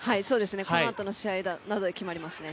このあとの試合で決まりますね。